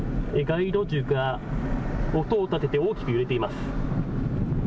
街路樹が音を立てて大きく揺れています。